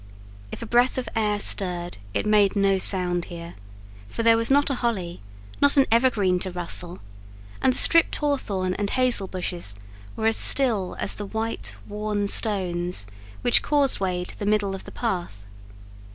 If a breath of air stirred, it made no sound here; for there was not a holly, not an evergreen to rustle, and the stripped hawthorn and hazel bushes were as still as the white, worn stones which causewayed the middle of the path.